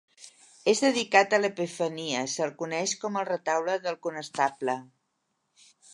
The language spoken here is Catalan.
És dedicat a l'Epifania i se'l coneix com el Retaule del Conestable.